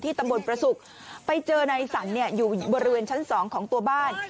ตำบลประศุกร์ไปเจอนายสันอยู่บริเวณชั้น๒ของตัวบ้าน